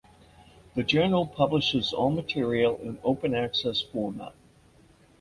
The journal publishes all material in open access format.